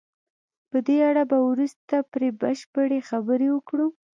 په دې اړه به وروسته پرې بشپړې خبرې وکړو.